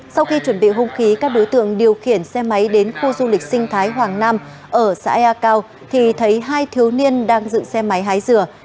sau khi chuẩn bị hung khí các đối tượng điều khiển xe máy đến khu du lịch sinh thái hoàng nam ở xã ya cao thì thấy hai thiếu niên đang dựng xe máy hái dừa